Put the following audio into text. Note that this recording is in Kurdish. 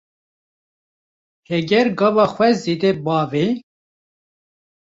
Heger gava xwe zêde bavê